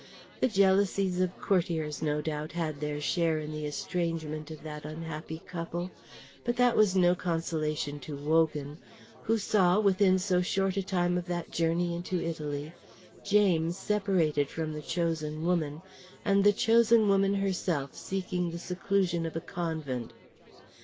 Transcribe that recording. The jealousies of courtiers no doubt had their share in the estrangement of that unhappy couple, but that was no consolation to Wogan, who saw, within so short a time of that journey into Italy, James separated from the chosen woman, and the chosen woman herself seeking the seclusion of a convent.